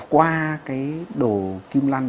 qua cái đồ kim lăng